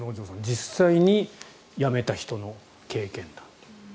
実際にやめた人の経験談。